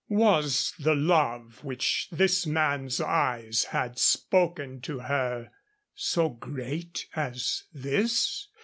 Was the love which this man's eyes had spoken to her so great as this?